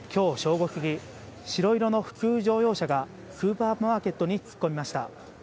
午過ぎ、白色の普通乗用車がスーパーマーケットに突っ込みました。